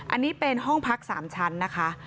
อันนี้เป็นห้องพัก๓ชั้นนะคะ